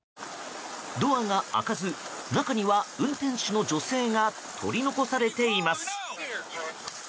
ドアが開かず、中には運転手の女性が取り残されています。